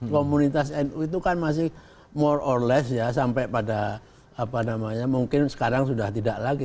komunitas nu itu kan masih more or less ya sampai pada apa namanya mungkin sekarang sudah tidak lagi